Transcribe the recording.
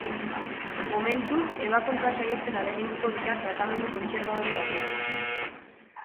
Momentuz, ebakuntza sahiesten ahaleginduko dira tratamendu kontserbadore batekin.